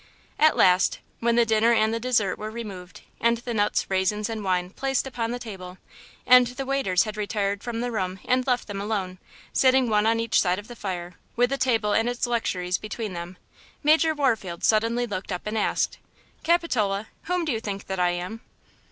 At last, when the dinner and the dessert were removed, and the nuts, raisins and wine placed upon the table, and the waiters had retired from the room and left them alone, sitting one on each side of the fire, with the table and its luxuries between them, Major Warfield suddenly looked up and asked: "Capitola, whom do you think that I am?"